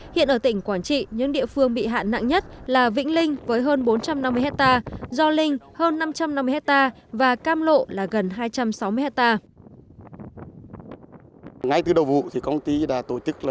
hiện ở tỉnh quảng trị những địa phương bị hạn nặng nhất là vĩnh linh với hơn bốn trăm năm mươi hectare gio linh hơn năm trăm năm mươi hectare và cam lộ là gần hai trăm sáu mươi hectare